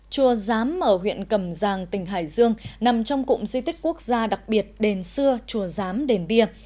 chùa giám ở huyện cầm giang tỉnh hải dương nằm trong cụm di tích quốc gia đặc biệt đền xưa chùa giám đền bia